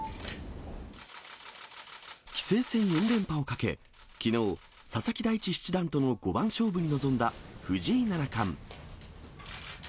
棋聖戦４連覇をかけ、きのう、佐々木大地七段との五番勝負に臨んだ藤井七冠。